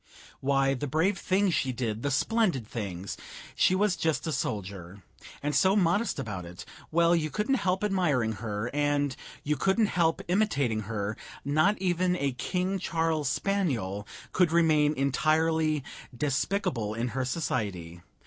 Why, the brave things she did, the splendid things! she was just a soldier; and so modest about it well, you couldn't help admiring her, and you couldn't help imitating her; not even a King Charles spaniel could remain entirely despicable in her society.